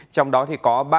trong đó có ba đối tượng